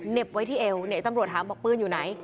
ไว้ที่เอวเนี่ยตำรวจถามบอกปืนอยู่ไหน